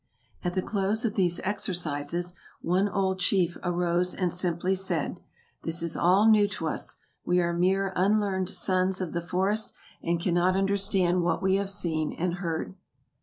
At the close of these exercises, one old chief arose, and simply said, "This is all new to us. We are mere unlearned sons of the forest, and cannot understand what we have seen and heard."